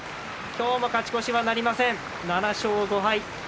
今日も勝ち越しはなりません７勝５敗。